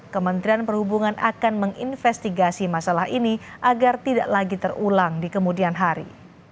kementerian perhubungan akan menginvestigasi masalah ini agar tidak lagi terulang di kemudian hari